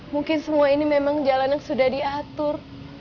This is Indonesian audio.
mungkin semua ini memang jalan yang sudah diatur